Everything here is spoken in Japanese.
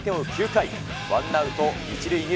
９回、ワンアウト１塁２塁。